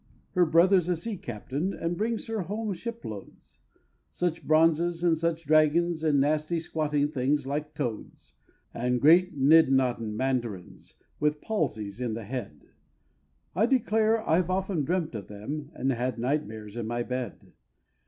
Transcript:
Her brother's a sea captain, and brings her home shiploads Such bronzes, and such dragons, and nasty squatting things like toads; And great nidnoddin' mandarins, with palsies in the head: I declare I've often dreamt of them, and had nightmares in my bed.